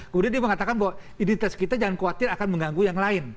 kemudian dia mengatakan bahwa identitas kita jangan khawatir akan mengganggu yang lain